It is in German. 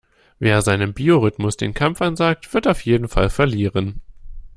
Wer seinem Biorhythmus den Kampf ansagt, wird auf jeden Fall verlieren.